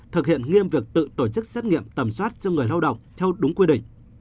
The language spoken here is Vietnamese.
thực hiện nghiêm việc tự tổ chức xét nghiệm tầm soát cho người lao động theo đúng quy định